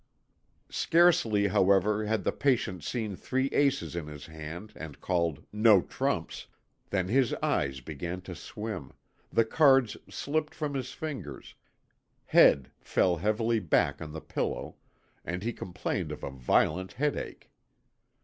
Scarcely, however, had the patient seen three aces in his hand and called "no trumps," than his eyes began to swim, the cards slipped from his fingers, head fell heavily back on the pillow, and he complained of a violent headache.